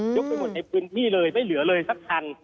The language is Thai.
ไปหมดในพื้นที่เลยไม่เหลือเลยสักคัน